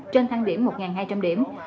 trên thăng điểm một hai trăm linh điểm